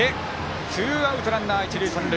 ツーアウト、ランナー、一塁三塁。